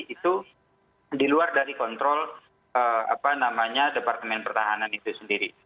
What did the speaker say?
itu diluar dari kontrol departemen pertahanan itu sendiri